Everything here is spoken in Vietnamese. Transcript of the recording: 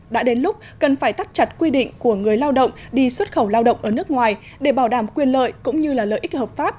đã đến lúc cần phải tắt chặt quy định của người lao động đi xuất khẩu lao động ở nước ngoài để bảo đảm quyền lợi cũng như lợi ích hợp pháp